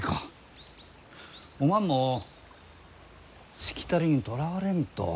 おまんもしきたりにとらわれんと。